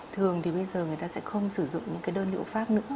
thường bây giờ người ta sẽ không sử dụng đơn liệu pháp nữa